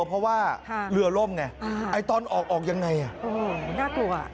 เพราะว่าเรือล่มไงไอ้ตอนออกออกยังไงน่ากลัว